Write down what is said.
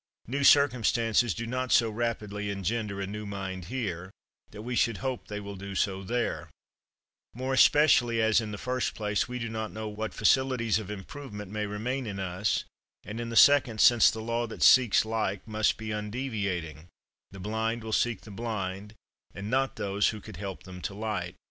New circumstances do not so rapidly engender a new mind here, that we should hope they will do so there: more especially as, in the first place, we do not know what facilities of improvement may remain in us; and in the second, since the law that like seeks like must be undeviating, the blind will seek the blind, and not those who could help them to light.